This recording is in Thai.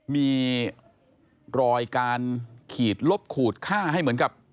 มีรอยการขีดลบขูดค่าให้เหมือนกับ